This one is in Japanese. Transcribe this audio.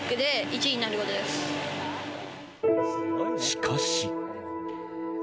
しかし。